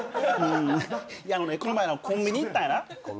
この前コンビニ行ったんやな。